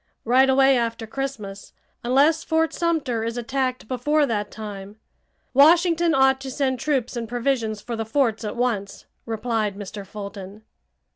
"Right away after Christmas, unless Fort Sumter is attacked before that time. Washington ought to send troops and provisions for the forts at once!" replied Mr. Fulton.